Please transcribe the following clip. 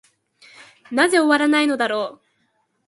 なぜ終わないのだろう。